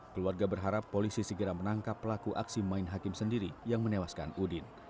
keluarga berharap polisi segera menangkap pelaku aksi main hakim sendiri yang menewaskan udin